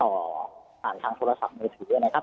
ผ่านทางโทรศัพท์มือถือนะครับ